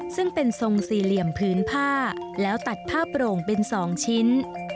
ซึ่งเป็นทรงสี่เหลี่ยมพื้นผ้าแล้วตัดผ้าโปร่งเป็น๒ชิ้น